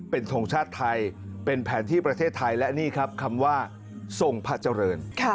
เป็นทรงชาติไทยเป็นแผนที่ประเทศไทยและนี่ครับคำว่าทรงพระเจริญ